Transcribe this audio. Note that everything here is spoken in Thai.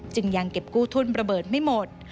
ยังเก็บกู้ทุนระเบิดไม่หมด